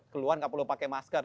keluar nggak perlu pakai masker